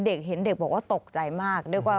เด็กเห็นเด็กบอกว่าตกใจมาก